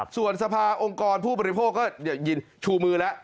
ส่วนสภาโรงกรผู้บริโภคก็ชูมือแล้ว